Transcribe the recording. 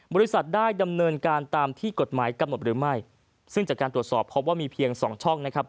บริษัทได้ดำเนินการตามที่กฎหมายกำหนดหรือไม่ซึ่งจากการตรวจสอบพบว่ามีเพียงสองช่องนะครับ